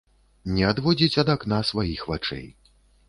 Не адводзіць ад акна сваіх вачэй.